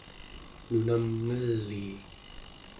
nunam ngelii